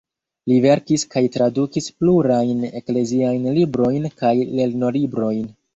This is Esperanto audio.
Li verkis kaj tradukis plurajn ekleziajn librojn kaj lernolibrojn.